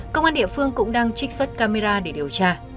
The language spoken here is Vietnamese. công an địa phương cũng đang trích xuất camera để điều tra